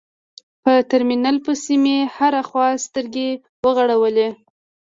په ترمينل پسې مې هره خوا سترګې وغړولې.